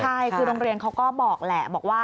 ใช่คือโรงเรียนเขาก็บอกแหละ